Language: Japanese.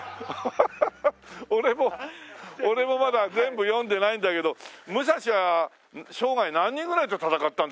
俺も俺もまだ全部読んでないんだけど武蔵は生涯何人ぐらいと戦ったんだろう？